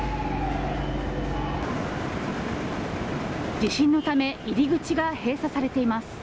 地震のため入り口が閉鎖されています。